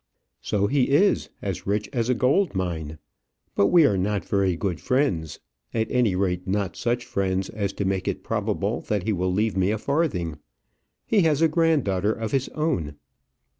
"So he is; as rich as a gold mine. But we are not very good friends at any rate, not such friends as to make it probable that he will leave me a farthing. He has a granddaughter of his own."